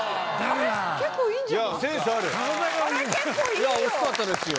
いや惜しかったですよ。